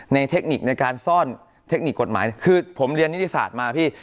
เทคนิคในการซ่อนเทคนิคกฎหมายคือผมเรียนนิติศาสตร์มาพี่